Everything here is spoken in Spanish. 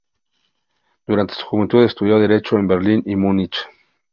Durante su juventud estudió derecho en Berlín y Múnich.